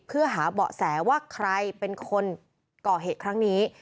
เพื่อหาเบาะแสว่าใครเป็นคนก่อเหตุครั้งนี้